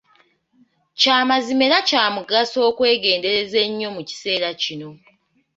Kya mazima era kya mugaso okwegendereza ennyo mu kiseera kino.